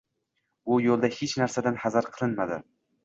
Bu yo‘lda hech narsadan hazar qilinmadi